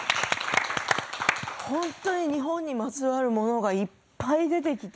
本当に日本にまつわるものがいっぱい出てきて。